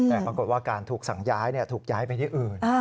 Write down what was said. แต่ปรากฏว่าการถูกสั่งย้ายถูกย้ายไปที่อื่น